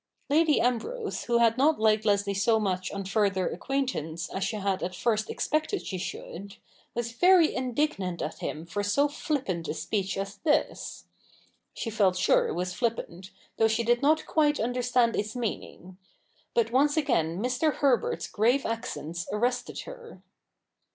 Lady Ambrose, who had not liked Leslie so much on further acquaintance as she had at first expected she should, was very indignant at him for so flippant a speech as this — she felt sure it was flippant, though she did not quite understand its meaning — but once again Mr. Herbert's grave accents arrested her.